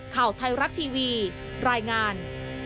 ข่าวไทยรัฐทีวีรายงาน